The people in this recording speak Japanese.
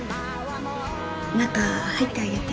中入ってあげて。